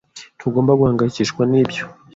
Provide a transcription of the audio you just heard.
Ntugomba guhangayikishwa nibyo.